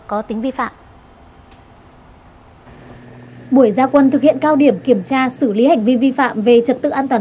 có tính vi phạm buổi gia quân thực hiện cao điểm kiểm tra xử lý hành vi vi phạm về trật tự an toàn